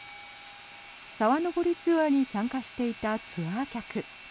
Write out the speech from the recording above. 沢登りツアーに参加していたツアー客。